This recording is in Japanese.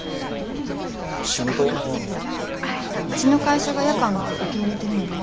うちの会社が夜間の子受け入れてるのね。